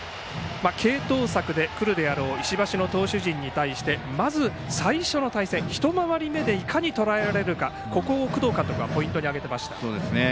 継投策で来るであろう石橋の投手陣に対してまず最初の対戦、一回り目でいかにとらえられるかここを工藤監督はポイントに挙げていました。